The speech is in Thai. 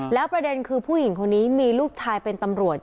แล้วประเด็นคือผู้หญิงคนนี้มีลูกชายเป็นตำรวจ